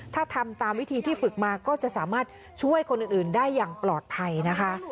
ถ้าทำตามวิธีที่ฝึกมาก็จะสามารถช่วยคนอื่นได้อย่างปลอดภัยนะคะ